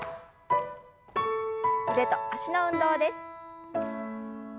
腕と脚の運動です。